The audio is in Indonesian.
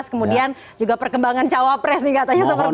kemudian juga perkembangan cawapres nih katanya seperti itu